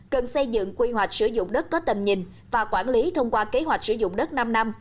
cần xây dựng quy hoạch sử dụng đất có tầm nhìn và quản lý thông qua kế hoạch sử dụng đất năm năm